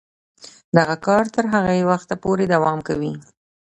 دغه کار تر هغه وخته پورې دوام کوي.